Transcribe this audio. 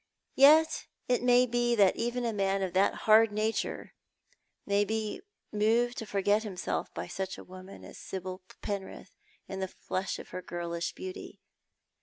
Yet it may be that even a man of that hard nature might be moved to forget him self by such a woman as Sibyl Penrith in the flush of her girlish beauty.